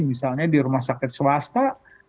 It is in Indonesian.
misalnya di rumah sakit swasta